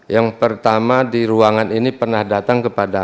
yang pertama di ruangan ini pernah datang kepada